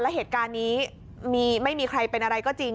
แล้วเหตุการณ์นี้ไม่มีใครเป็นอะไรก็จริง